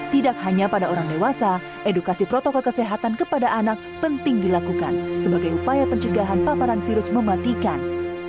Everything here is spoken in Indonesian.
tidak hanya pada orang dewasa edukasi protokol kesehatan kepada anak penting dilakukan sebagai upaya pencegahan paparan virus mematikan